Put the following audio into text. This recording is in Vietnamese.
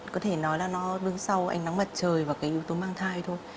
có thể nói là nó đứng sau ánh nắng mặt trời và cái yếu tố mang thai thôi